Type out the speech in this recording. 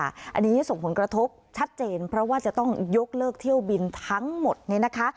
อันนี้ส่งผลกระทบชัดเจนเพราะว่าจะต้องยกเลิกเที่ยวบินทั้งหมดเนี่ยนะคะ